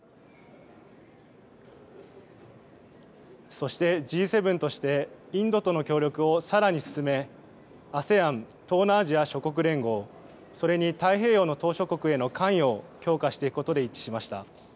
そしてＧ７としてインドとの協力をさらに進め、ＡＳＥＡＮ・東南アジア諸国連合、それに太平洋の島しょ国への関与を強化していくことで一致しました。